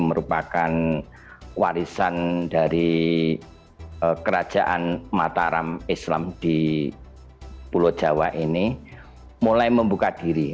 merupakan warisan dari kerajaan mataram islam di pulau jawa ini mulai membuka diri